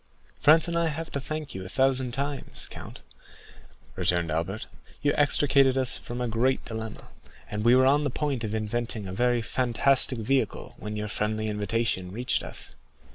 "Franz and I have to thank you a thousand times, count," returned Albert; "you extricated us from a great dilemma, and we were on the point of inventing a very fantastic vehicle when your friendly invitation reached us."